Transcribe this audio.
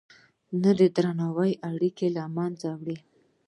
نه درناوی اړیکې له منځه وړي.